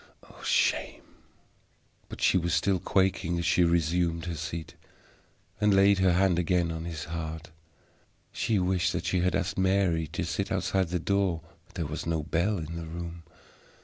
Oh, shame!" But she was still quaking as she resumed her seat, and laid her hand again on his heart. She wished that she had asked Mary to sit outside the door; there was no bell in the room.